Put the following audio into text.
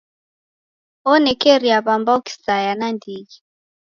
Onekeria w'ambao kisaya nandighi.